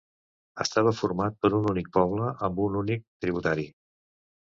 Estava format per un únic poble amb un únic tributari.